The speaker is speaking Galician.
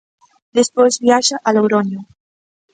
Despois viaxa a Logroño.